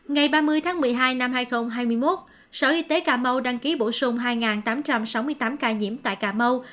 ngày ba mươi tháng một mươi hai năm hai nghìn hai mươi một sở y tế cà mau đăng ký bổ sung hai tám trăm sáu mươi tám ca nhiễm tại cà mau